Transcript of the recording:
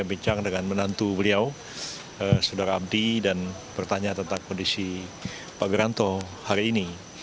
saya bincang dengan menantu beliau saudara abdi dan bertanya tentang kondisi pak wiranto hari ini